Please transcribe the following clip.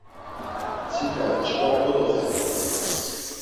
Mtsika çkva kodoxedit.